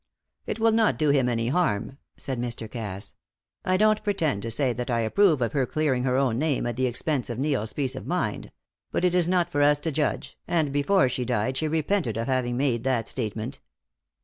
"It will not do him any harm," said Mr. Cass. "I don't pretend to say that I approve of her clearing her own name at the expense of Neil's peace of mind: but it is not for us to judge, and before she died she repented of having made that statement."